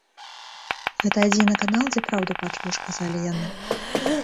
Гэта адзіны канал, дзе праўду пачуеш, казалі яны.